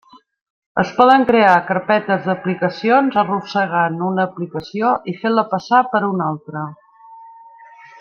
Es poden crear carpetes d'aplicacions arrossegant una aplicació i fent-la passar per una altra.